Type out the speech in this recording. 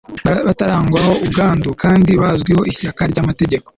batarangwaho ubwandu kandi bazwiho ishyaka ry'amategeko